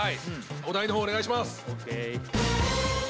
お題の方お願いしますＯＫ